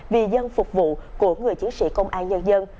vì dân phục vụ của người chiến sĩ công an nhân dân